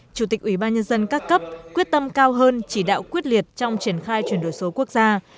chủ tịch ủy ban nhân dân các cấp quyết tâm cao hơn chỉ đạo quyết liệt trong triển khai chuyển đổi số quốc gia